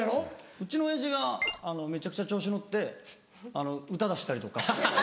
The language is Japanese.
うちの親父がめちゃくちゃ調子乗って歌出したりとか。